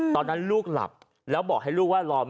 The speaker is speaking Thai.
ตอนนั้นลูกหลับแล้วบอกให้ลูกว่ารอ